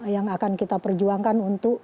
yang akan kita perjuangkan untuk